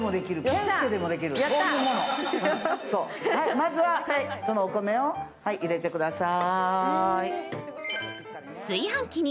まずは、そのお米を入れてください。